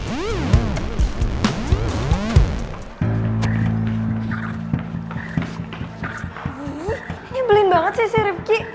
ini belin banget sih sih rifki